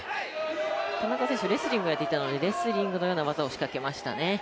田中選手、レスリングをやっていたのでレスリングのような技を仕掛けましたね。